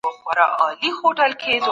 د ټولني اصلاح د هر فرد مسؤليت دی.